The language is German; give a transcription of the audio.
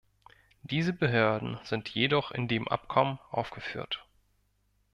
Diese Behörden sind jedoch in dem Abkommen aufgeführt.